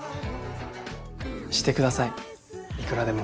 してくださいいくらでも。